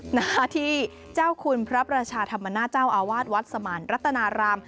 หน้าที่เจ้าคุณพระประชาธรรมนาเจ้าอาวาสวัดสมานรัตนาราม